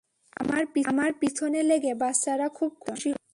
আমার পিছনে লেগে বাচ্চারা খুব খুশি হত।